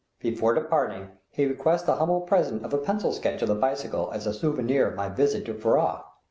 Before departing, he requests the humble present of a pencil sketch of the bicycle as a souvenir of my visit to Furrah.